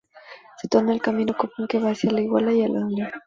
Se toma el camino común que va hacia La Iguala y La Unión.